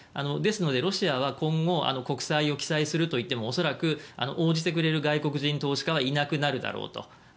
ですのでロシアは今後国債を起債するといっても恐らく応じてくれる外国人投資家はいなくなるだろうと。